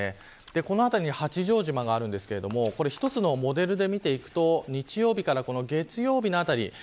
この辺りに八丈島がありますが一つのモデルで見ていくと日曜日から月曜日のあたり